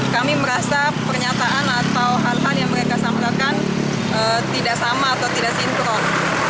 kami merasa pernyataan atau hal hal yang mereka sampaikan tidak sama atau tidak sinkron